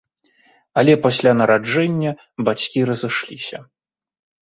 Але пасля нараджэння бацькі разышліся.